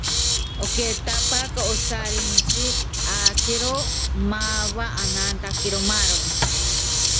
Al año siguiente consiguió el tercer lugar en la clasificación general.